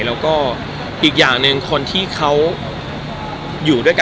แล้วก็อีกอย่างหนึ่งคนที่เขาอยู่ด้วยกัน